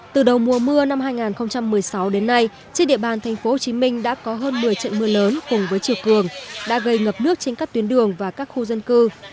từ đầu mùa mưa năm hai nghìn một mươi sáu đến nay trên địa bàn thành phố hồ chí minh đã có hơn một mươi trận mưa lớn cùng với trường cường đã gây ngập nước trên các tuyến đường và các khu dân cư